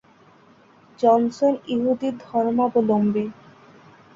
Johnson ইহুদি ধর্মাবলম্বী।